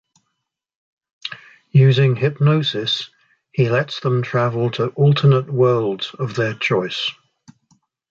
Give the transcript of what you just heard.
Using hypnosis he lets them travel to alternate worlds of their choice.